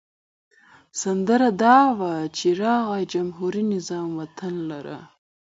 سندره دا وه چې راغی جمهوري نظام وطن لره.